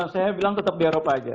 saya bilang tetap di eropa aja